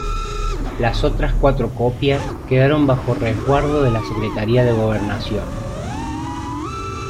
Las otras cuatro copias quedaron bajo resguardo de la Secretaría de Gobernación.